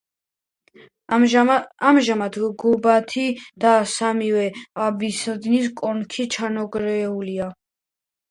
ამჟამად გუმბათი და სამივე აბსიდის კონქი ჩამონგრეულია.